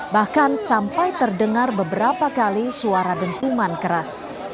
bahkan sampai terdengar beberapa kali suara dentuman keras